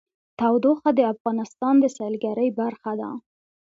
تودوخه د افغانستان د سیلګرۍ برخه ده.